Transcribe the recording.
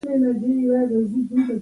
یو بل دلال د پنځه لکه پخو رایو مالک دی.